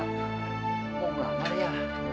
mau melamar ya